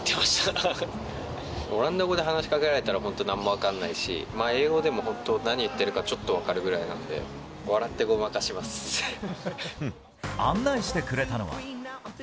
オランダ語で話しかけられたら本当、なんも分かんないし、英語でも本当、なんて言ってるかちょっと分かるぐらいなんで、笑ってごまかしま案内してくれたのは。